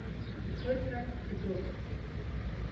Ԥыҭрак дгылан.